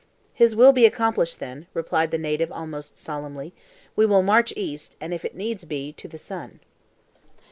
"His will be accomplished then," replied the native almost solemnly. "We will march east, and if it needs be, to the sun."